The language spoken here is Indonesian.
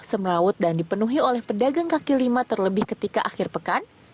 semerawut dan dipenuhi oleh pedagang kaki lima terlebih ketika akhir pekan